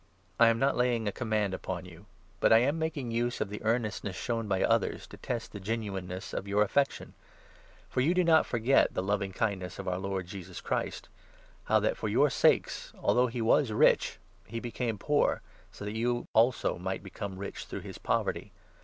II. CORINTHIANS, 8—9. 341 Th« I am not laying a command upon you, but I 8 completion am making use of the earnestness shown by Collection at others to test the genuineness of your affection. Corinth. For you do not forget the loving kindness of our 9 Lord Jesus Christ — how that for your sakes, although he was rich, he became poor, so that you also might become rich through his poverty.